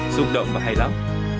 dụng động và hay lắm